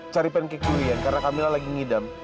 cari pancake durian karena kamilah lagi ngidam